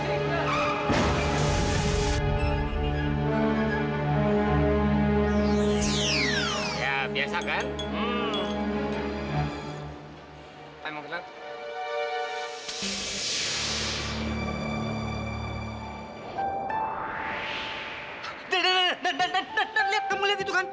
tidak tidak tidak lihat kamu lihat itu kan